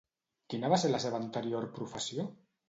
Quina va ser la seva anterior professió?